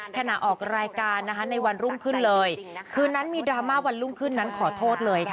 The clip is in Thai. ขณะออกรายการนะคะในวันรุ่งขึ้นเลยคืนนั้นมีดราม่าวันรุ่งขึ้นนั้นขอโทษเลยค่ะ